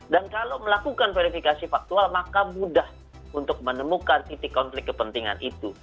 dan kalau melakukan verifikasi faktual maka mudah untuk menemukan titik konflik kepentingan itu